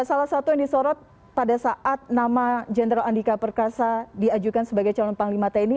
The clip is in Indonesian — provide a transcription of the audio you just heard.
salah satu yang disorot pada saat nama jenderal andika perkasa diajukan sebagai calon panglima tni